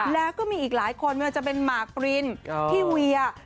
แล้วก็มีอีกหลายคนไม่ว่าจะเป็นหมากปรินพี่เวีย